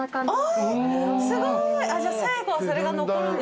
すごい。じゃあ最後はそれが残るんですね。